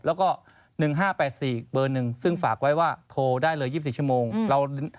เรื่องนี้ต้องฝากตรงนี้ไว้